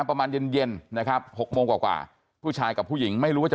ประมาณเย็นเย็นนะครับ๖โมงกว่าผู้ชายกับผู้หญิงไม่รู้ว่าจะ